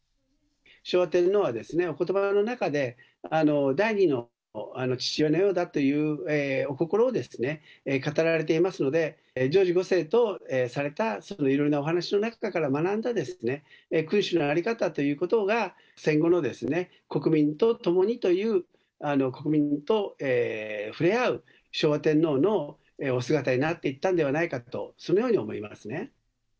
昭和天皇はおことばの中で、第二の父親のようだというお心を語られていますので、ジョージ５世とされたいろいろなお話の中から学んだ君主の在り方ということが、戦後の国民と共にという、国民と触れ合う昭和天皇のお姿になっていったんではないかと、そのように思いますね。